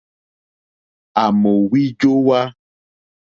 À mò wíjówá.